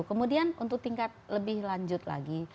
kemudian untuk tingkat lebih lanjut lagi